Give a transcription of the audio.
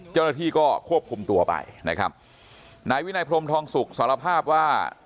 เจ้าหน้าที่ก็ควบคุมตัวไปนะครับนายวินัยพรมทองสุกสารภาพว่า